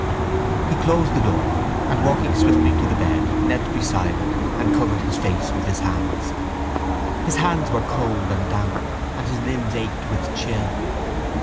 He closed the door and, walking swiftly to the bed, knelt beside it and covered his face with his hands. His hands were cold and damp and his limbs ached with chill.